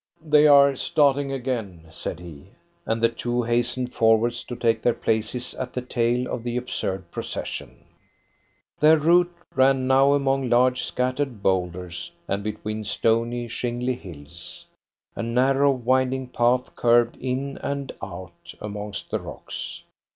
"They are starting again," said he, and the two hastened forwards to take their places at the tail of the absurd procession. Their route ran now among large, scattered boulders, and between stony, shingly hills. A narrow winding path curved in and out amongst the rocks.